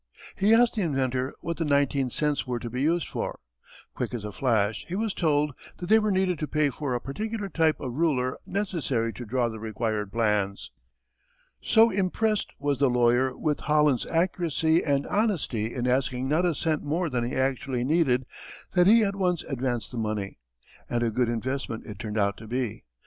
He asked the inventor what the nineteen cents were to be used for. Quick as a flash he was told that they were needed to pay for a particular type of ruler necessary to draw the required plans. So impressed was the lawyer with Holland's accuracy and honesty in asking not a cent more than he actually needed that he at once advanced the money. And a good investment it turned out to be.